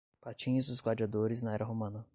Patins dos gladiadores na era romana